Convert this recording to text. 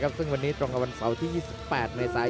ภารกิจสุดท้ายภารกิจสุดท้ายภารกิจสุดท้าย